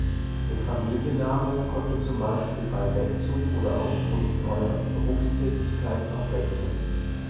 Der Familienname konnte zum Beispiel bei Wegzug oder aufgrund neuer Berufstätigkeit noch wechseln.